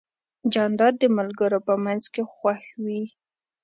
جانداد د ملګرو په منځ کې خوښ وي.